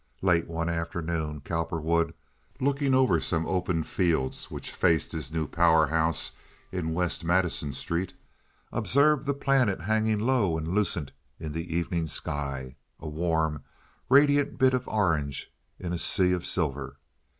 Late one afternoon Cowperwood, looking over some open fields which faced his new power house in West Madison Street, observed the planet hanging low and lucent in the evening sky, a warm, radiant bit of orange in a sea of silver.